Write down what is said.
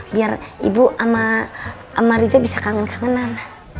biar ibu sama amarja bisa kangen kangenan